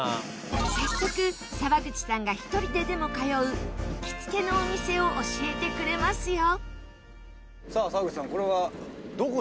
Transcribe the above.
早速沢口さんが１人ででも通う行きつけのお店を教えてくれますよ。